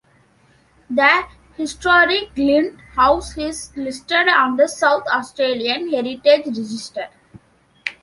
The historic Glynde House is listed on the South Australian Heritage Register.